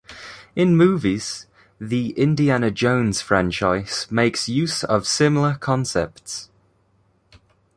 In movies, the "Indiana Jones" franchise makes use of similar concepts.